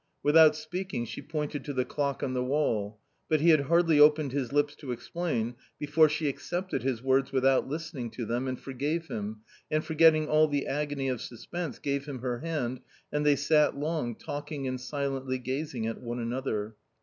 Without speaking, she pointed to the clock on the wall ; but he had hardly opened his lips to explain, before she accepted his words without listening to them and forgave him and, forgetting all the agony of suspense, gave him her hand, and they sat long talking and silently gazing at one another.